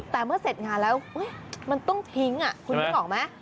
แต่เมื่อเสร็จงานแล้วมันต้องทิ้งอ่ะคุณไม่รู้หรอกมั้ย